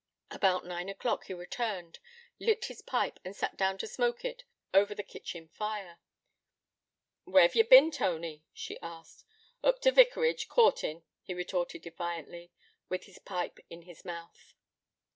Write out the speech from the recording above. About nine o'clock he returned, lit his pipe, and sat down to smoke it over the kitchen fire. 'Where've ye bin, Tony?' she asked. 'Oop t' vicarage, courtin', he retorted defiantly, with his pipe in his mouth.